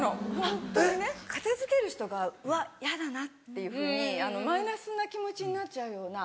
ホントにね片付ける人がうわヤダなっていうふうにマイナスな気持ちになっちゃうような。